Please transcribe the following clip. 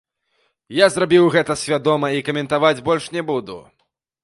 Я зрабіў гэта свядома і каментаваць больш не буду.